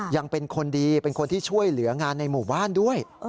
ยังเป็นคนดีเป็นคนที่ช่วยเหลืองานในหมู่บ้านด้วย